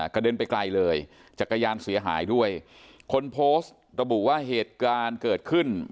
กระเด็นไปไกลเลยจักรยานเสียหายด้วยคนโพสต์ระบุว่าเหตุการณ์เกิดขึ้น